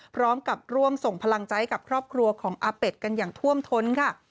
พร้อมกับร่วมส่งพลังใจกับครอบครัวของอาเป็ดกันอย่างท่วมท้นค่ะ